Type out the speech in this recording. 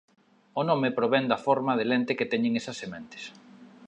O nome provén da forma de lente que teñen esas sementes.